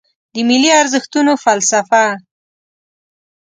د ملي ارزښتونو فلسفه